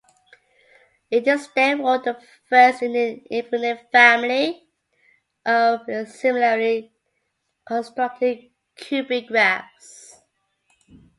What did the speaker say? It is therefore the first in an infinite family of similarly constructed cubic graphs.